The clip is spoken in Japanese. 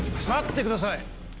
待ってください！